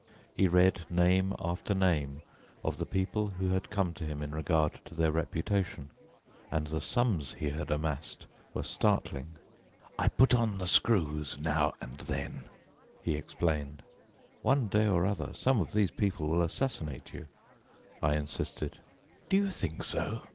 He read name after name of the people who had come to him in regard to their reputation, and the sums he had amassed were startling. "I put on the screws now and then," he explained. "One day or other some of these people will assassinate you," I insisted. "Do you think so?"